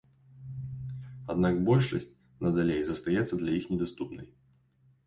Аднак большасць надалей застаецца для іх недаступнай.